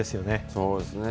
そうですね。